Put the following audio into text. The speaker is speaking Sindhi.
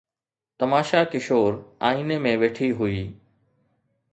تماشا ڪشور آئيني ۾ ويٺي هئي